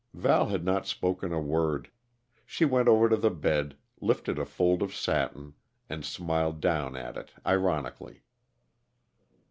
Val had not spoken a word. She went over to the bed, lifted a fold of satin, and smiled down at it ironically.